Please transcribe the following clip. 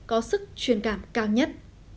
và cho các tác phẩm có sức truyền cảm cao nhất